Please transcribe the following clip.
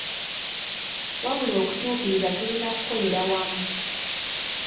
Wabula okutuukiriza tulina kukolera wamu.